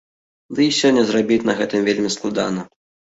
Ды і сёння зарабіць на гэтым вельмі складана.